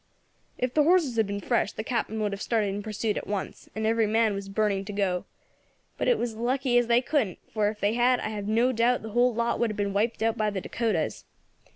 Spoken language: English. "If the horses had been fresh the Captain would have started in pursuit at once, and every man was burning to go. But it was lucky as they couldn't, for if they had I have no doubt the whole lot would have been wiped out by the Dacotas.